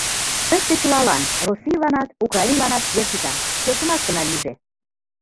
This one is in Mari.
Тыште чылалан, Российланат, Украинланат, вер сита, келшымаш гына лийже.